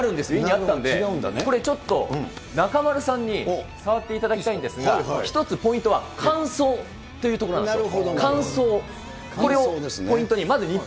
あったんで、これちょっと、中丸さんに触っていただきたいんですが、１つポイントは、乾燥というところなんですよ。